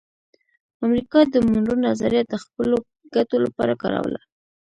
امریکا د مونرو نظریه د خپلو ګټو لپاره کاروله